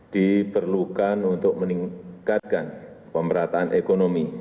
diperlukan untuk meningkatkan pemerataan ekonomi